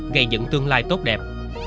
gây dựng tương lai tốt đẹp